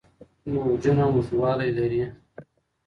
موجونه اوږدوالي لري.